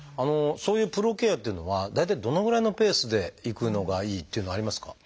そういうプロケアというのは大体どのぐらいのペースで行くのがいいというのはありますか？